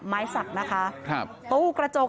ไม้สักนะคะตู้กระจก